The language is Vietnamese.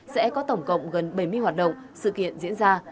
sẽ có tổng cộng gần bảy mươi hoạt động sự kiện diễn ra